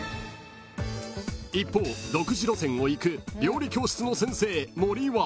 ［一方独自路線をいく料理教室の先生森は］